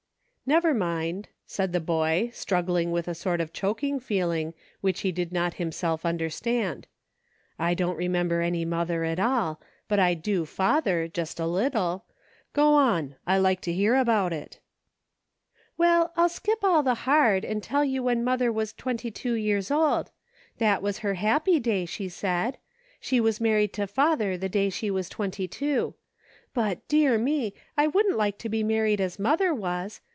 " Never mind," said the boy, struggling with a sort of choking feeling, which he did not himself understand. "I don't remember any mother at all, but I do father, just a little. Go on ; I like to hear about it." 4 ' EIGHT AND TWELVE. "Well, I'll skip all the hard, and tell you when mother was twenty two years old. That was her happy day, she said. She was married to father the day she was twenty two. But, dear me ! I wouldn't like to be married as mother was